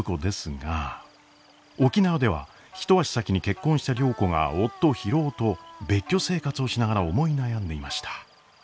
沖縄では一足先に結婚した良子が夫博夫と別居生活をしながら思い悩んでいました。